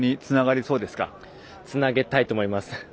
つなげたいと思います。